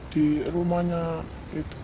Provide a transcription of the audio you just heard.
di rumahnya itu